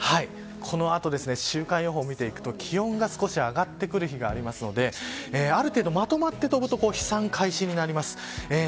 この後、週間予報を見ていくと気温が少し上がってくる日がありますので、ある程度まとまって飛ぶと飛散開始になります。